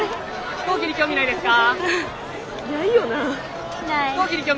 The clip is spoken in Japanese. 飛行機に興味ないですか？